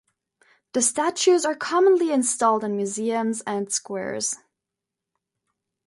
The statues are commonly installed in museums and squares.